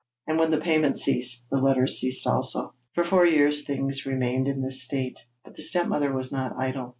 And when the payments ceased, the letters ceased also. For four years things remained in this state, but the stepmother was not idle.